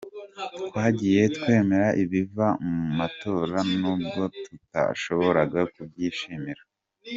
Twagiye twemera ibiva mu matora nubwo tutashoboraga kubyishimira.